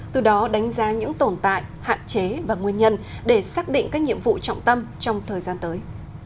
từ đó đánh giá những tồn tại hạn chế và nguyên nhân để xác định các nhiệm vụ trọng tâm trong thời gian tới